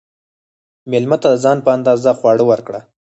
مېلمه ته د ځان په اندازه خواړه ورکړه.